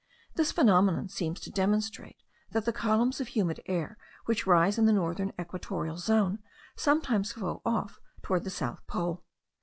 This phenomenon seems to demonstrate that the columns of humid air which rise in the northern equatorial zone, sometimes flow off toward the south pole.